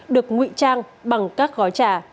được ngụy trang bằng các gói trà